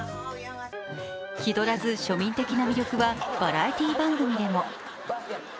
気取らず庶民的な魅力はバラエティー番組でも。